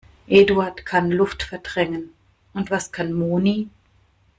Eduard kann Luft verdrängen. Und was kann Moni?